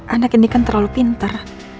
anak ini kan terlalu pinter